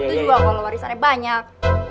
itu juga kalau warisannya banyak